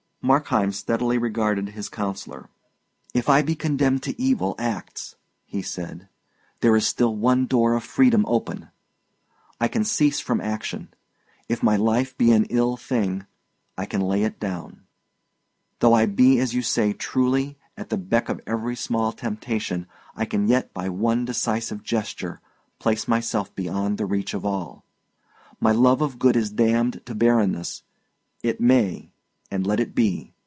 Markheim steadily regarded his counsellor. "If I be condemned to evil acts," he said, "there is still one door of freedom open: I can cease from action. If my life be an ill thing, I can lay it down. Though I be, as you say truly, at the beck of every small temptation, I can yet, by one decisive gesture, place myself beyond the reach of all. My love of good is damned to barrenness; it may, and let it be!